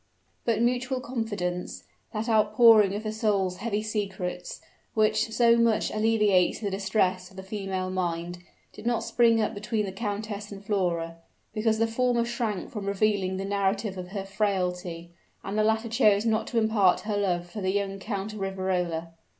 But mutual confidence, that outpouring of the soul's heavy secrets, which so much alleviates the distress of the female mind, did not spring up between the countess and Flora; because the former shrank from revealing the narrative of her frailty, and the latter chose not to impart her love for the young Count of Riverola.